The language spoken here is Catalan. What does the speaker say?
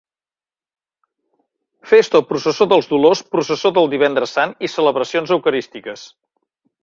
Festa o Processó dels Dolors, Processó del Divendres Sant i celebracions eucarístiques.